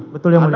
betul yang mulia